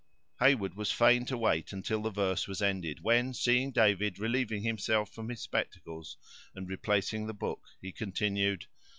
Heyward was fain to wait until the verse was ended; when, seeing David relieving himself from the spectacles, and replacing the book, he continued.